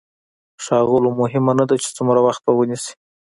ښاغلو مهمه نه ده چې څومره وخت به ونيسي.